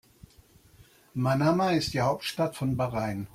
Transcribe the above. Manama ist die Hauptstadt von Bahrain.